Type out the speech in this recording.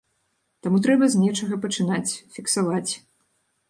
Таму трэба з нечага пачынаць, фіксаваць.